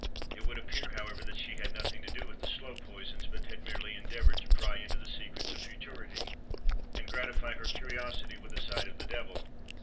It would appear, however, that she had nothing to do with the slow poisons, but had merely endeavoured to pry into the secrets of futurity, and gratify her curiosity with a sight of the devil.